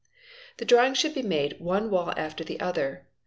The drawing should be made one wall after the other.